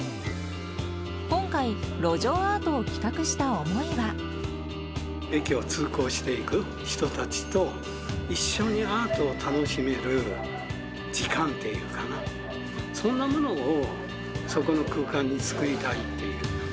今回、路上アートを企画した思い駅を通行していく人たちと、一緒にアートを楽しめる時間っていうかな、そんなものを、そこの空間につくりたいっていう。